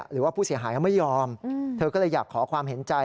หรือว่าผู้เสียหายเขาไม่ยอมเธอก็เลยอยากขอความเห็นใจ